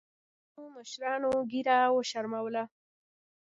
ځینو مشرانو ګیره وشرمولـه.